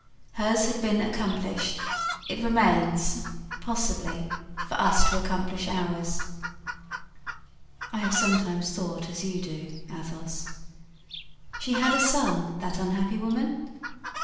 Hers had been accomplished; it remains, possibly, for us to accomplish ours." "I have sometimes thought as you do, Athos." "She had a son, that unhappy woman?"